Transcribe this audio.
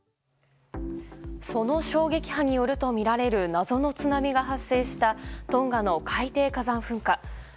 その衝撃波によるとみられる謎の津波が発生したトンガの海底火山噴火。